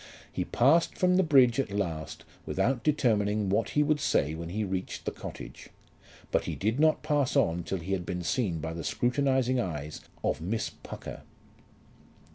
He passed from the bridge at last without determining what he would say when he reached the cottage, but he did not pass on till he had been seen by the scrutinizing eyes of Miss Pucker.